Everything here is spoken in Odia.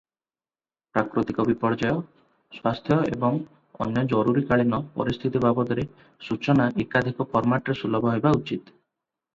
ପ୍ରାକୃତିକ ବିପର୍ଯ୍ୟୟ, ସ୍ୱାସ୍ଥ୍ୟ ଏବଂ ଅନ୍ୟ ଜରୁରୀକାଳୀନ ପରିସ୍ଥିତି ବାବଦରେ ସୂଚନା ଏକାଧିକ ଫର୍ମାଟରେ ସୁଲଭ ହେବା ଉଚିତ ।